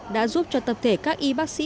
đã giúp cho tập thể các y bác sĩ